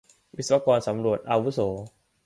วิศวกรสำรวจอาวุโส